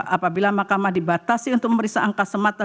apabila mahkamah dibatasi untuk memeriksa angka semata